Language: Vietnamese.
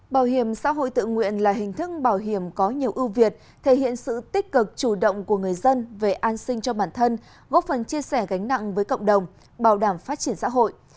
bảo hiểm xã hội tự nguyện là hình thức bảo hiểm có nhiều ưu việt thể hiện sự tích cực chủ động của người dân về an sinh cho bản thân góp phần chia sẻ gánh nặng với cộng đồng bảo đảm phát triển xã hội